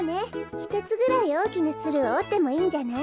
ひとつぐらいおおきなツルをおってもいいんじゃない？